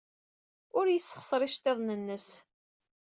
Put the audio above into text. Ur yessexṣer iceḍḍiḍen-nnes.